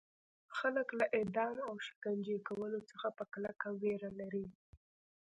خلک له اعدام او شکنجه کولو څخه په کلکه ویره لري.